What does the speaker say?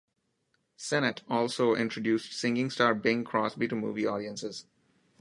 Sennett also introduced singing star Bing Crosby to movie audiences.